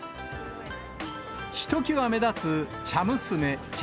ひときわ目立つ茶娘、茶